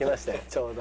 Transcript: ちょうど。